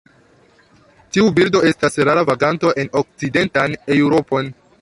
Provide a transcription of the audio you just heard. Tiu birdo estas rara vaganto en okcidentan Eŭropon.